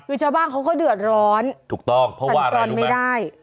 คือชาวบ้านเขาก็เดือดร้อนสันจรไม่ได้ถูกต้องเพราะว่าอะไรรู้มั้ย